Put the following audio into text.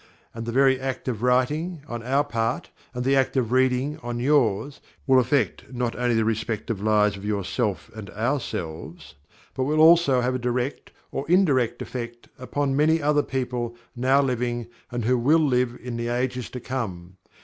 And the very act of writing, on our part, and the act of reading, on yours, will affect not only the respective lives of yourself and ourselves, but will also have a direct, or indirect, affect upon many other people now living and who will live in the ages to come.